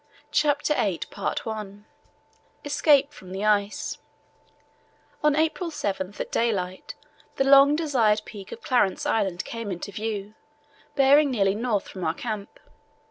CHAPTER VIII ESCAPE FROM THE ICE On April 7 at daylight the long desired peak of Clarence Island came into view, bearing nearly north from our camp.